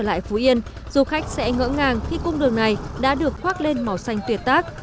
trở lại phú yên du khách sẽ ngỡ ngàng khi cung đường này đã được khoác lên màu xanh tuyệt tác